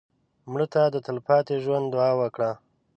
مړه ته د تلپاتې ژوند دعا وکړه